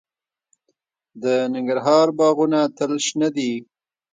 د ننګرهار باغونه تل شنه دي.